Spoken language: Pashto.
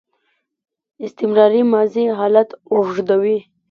استمراري ماضي حالت اوږدوي.